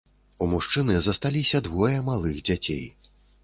У мужчыны засталіся двое малых дзяцей.